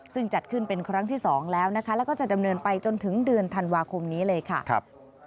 ซึ่งจัดขึ้นเป็นครั้งที่สองแล้วนะคะแล้วก็จะดำเนินไปจนถึงเดือนธันวาคมนี้เลยค่ะ